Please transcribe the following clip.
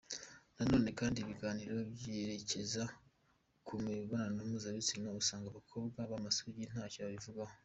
Nanone kandi ibiganiro byerekeza ku mibonano mpuzabitsina usanga abakobwa b’amasugi ntacyo babivugaho.